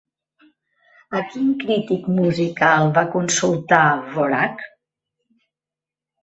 A quin crític musical va consultar Dvořák?